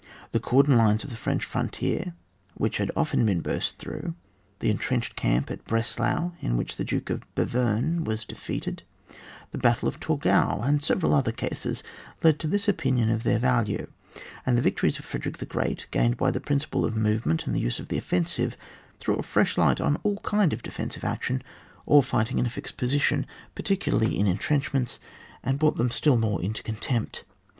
The cordon lines of the French frontier, which had been often btirst through ; the entrenched camp at Breslau in which the Duke of Bevern was defeated, the battle of Torgau, and several other cases, led to this opinion of their value ; and the victories of Freder ick the Great, gained by the principle of movement and the use of the offensive, threw a fresh light on all kind of defen sive action, all fighting in a fixed posi tion, particularly in intrenchments, and brought them still more into contempt.